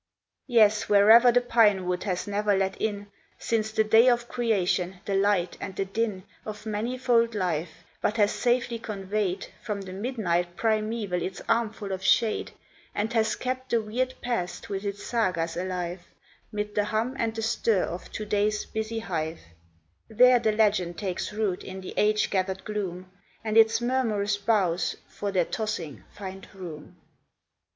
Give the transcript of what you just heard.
Yes, wherever the pine wood has never let in, Since the day of creation, the light and the din Of manifold life, but has safely conveyed From the midnight primeval its armful of shade, And has kept the weird Past with its sagas alive Mid the hum and the stir of To day's busy hive, There the legend takes root in the age gathered gloom, And its murmurous boughs for their tossing find room.